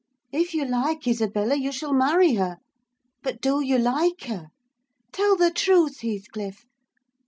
If you like Isabella, you shall marry her. But do you like her? Tell the truth, Heathcliff!